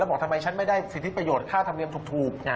บอกทำไมฉันไม่ได้สิทธิประโยชน์ค่าธรรมเนียมถูก